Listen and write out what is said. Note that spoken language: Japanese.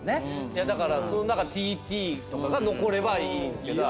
だからＴＴとかが残ればいいんすけど。